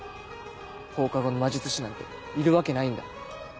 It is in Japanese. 放課後の魔術師なんているわけないんだ。